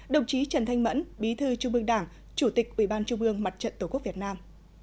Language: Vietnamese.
đồng chí trần thanh mẫn bí thư trung ương đảng chủ tịch ubnd mặt trận tổ quốc việt nam